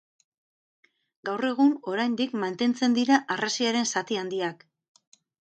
Gaur egun, oraindik mantentzen dira harresiaren zati handiak.